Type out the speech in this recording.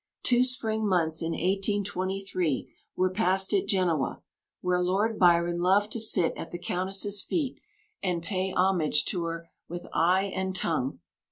Two spring months in 1823 were passed at Genoa, where Lord Byron loved to sit at the Countess's feet and pay homage to her with eye and tongue.